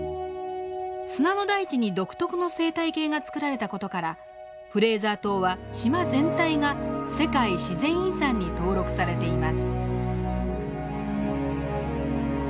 砂の大地に独特の生態系が作られた事からフレーザー島は島全体が世界自然遺産に登録されています。